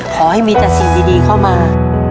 ขอให้มีแต่สิ่งดีเข้ามา